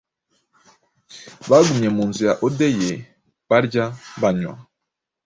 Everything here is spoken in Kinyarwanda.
bagumye mu nzu ya Odyeu, barya, banywa,